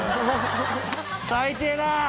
最低だ！